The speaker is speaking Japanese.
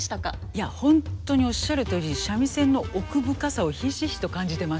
いやホントにおっしゃるとおり三味線の奥深さをひしひしと感じてます。